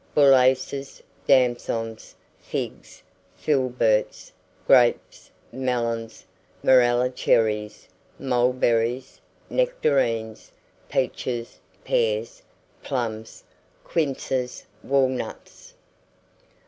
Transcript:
Bullaces, damsons, figs, filberts, grapes, melons, morella cherries, mulberries, nectarines, peaches, pears, plums, quinces, walnuts.